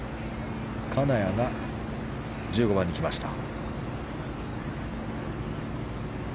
金谷が１５番に来ました。